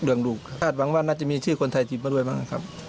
ลูกคาดหวังว่าน่าจะมีชื่อคนไทยทิพย์มาด้วยบ้างครับ